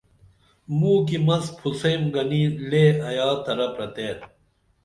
موں کی مس پُھسیم گنی لے ایا ترہ پرتے